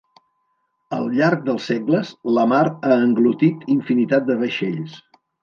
Al llarg dels segles la mar ha englotit infinitat de vaixells.